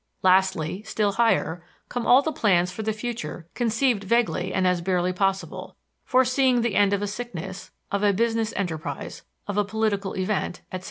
Lastly, still higher, come all the plans for the future conceived vaguely and as barely possible foreseeing the end of a sickness, of a business enterprise, of a political event, etc.